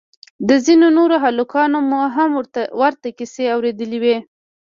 له ځينو نورو هلکانو مو هم ورته کيسې اورېدلې وې.